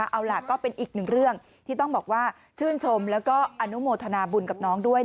เอาล่ะก็เป็นอีกหนึ่งเรื่องที่ต้องบอกว่าชื่นชมแล้วก็อนุโมทนาบุญกับน้องด้วย